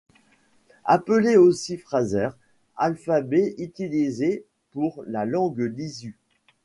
Appelé aussi Fraser, alphabet utilisée pour la langue lisu.